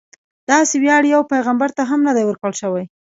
داسې ویاړ یو پیغمبر ته هم نه دی ورکړل شوی.